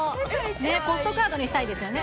ポストカードにしたいですよね。